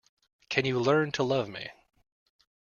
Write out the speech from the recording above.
Can you learn to love me?